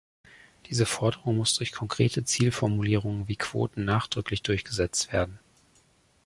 Diese Forderung muss durch konkrete Zielformulierungen wie Quoten nachdrücklich durchgesetzt werden.